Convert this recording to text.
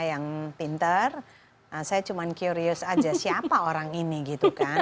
yang pinter saya cuma curious aja siapa orang ini gitu kan